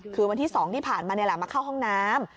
คือวันที่๒ที่ผ่านมามาเข้าห้องน้ำ